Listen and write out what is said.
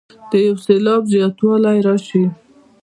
د یو سېلاب زیاتوالی راشي.